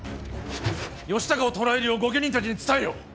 義高を捕らえるよう御家人たちに伝えよ。